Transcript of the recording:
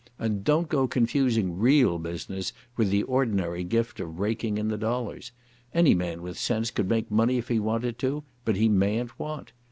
And don't go confusing real business with the ordinary gift of raking in the dollars. Any man with sense could make money if he wanted to, but he mayn't want.